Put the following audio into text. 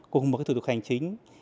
cùng một thủ tục hành chính